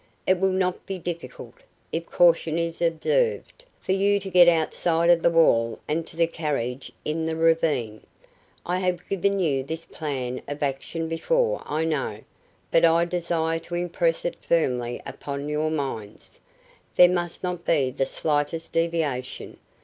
It will not be difficult, if caution is observed, for you to get outside of the wall and to the carriage in the ravine. I have given you this plan of action before, I know, but I desire to impress it firmly upon your minds. There must not be the slightest deviation.